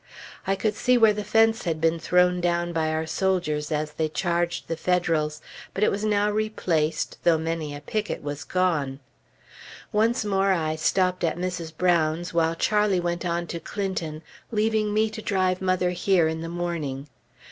I could see where the fence had been thrown down by our soldiers as they charged the Federals, but it was now replaced, though many a picket was gone. Once more I stopped at Mrs. Brown's, while Charlie went on to Clinton, leaving me to drive mother here in the morning.